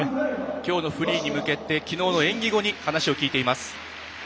きょうのフリーに向けてきのうの演技後に話を聞いています。